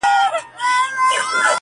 o روهیلۍ د روهستان مي څه ښه برېښي,